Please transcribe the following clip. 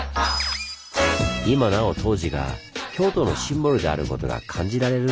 今なお東寺が京都のシンボルであることが感じられるんです。